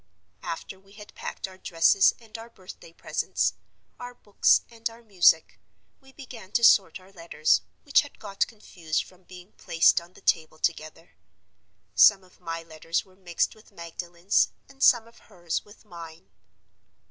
"After we had packed our dresses and our birthday presents, our books and our music, we began to sort our letters, which had got confused from being placed on the table together. Some of my letters were mixed with Magdalen's, and some of hers with mine.